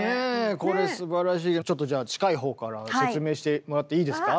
これすばらしいちょっとじゃあ近い方から説明してもらっていいですか？